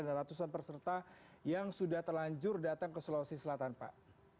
dan ratusan perserta yang sudah telanjur datang ke sulawesi selatan pak